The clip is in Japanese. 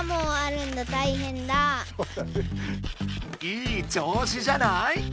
いい調子じゃない？